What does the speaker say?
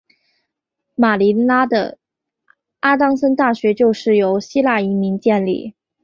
马尼拉的阿当森大学就是由希腊移民建立。